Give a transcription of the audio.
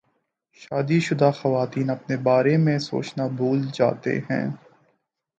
شادی شدہ خواتین اپنے بارے میں سوچنا بھول جاتی ہیں